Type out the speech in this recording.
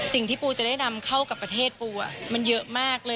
สิ่งที่ปูจะได้นำเข้ากับประเทศปูมันเยอะมากเลย